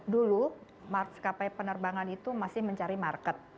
dulu maskapai penerbangan itu masih mencari market